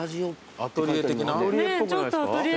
アトリエっぽくないですか？